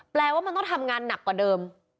แปลว่ามันต้องทำงานหนักกว่าเดิม